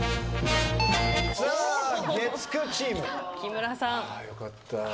月９チーム！あよかった。